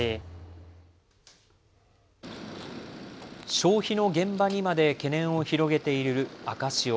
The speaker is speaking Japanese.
消費の現場にまで懸念を広げている赤潮。